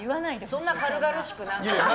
そんな軽々しく。